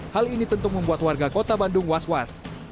hal ini tentu membuat warga kota bandung was was